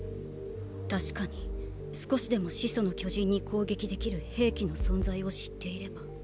確かに少しでも始祖の巨人に攻撃できる兵器の存在を知っていれば。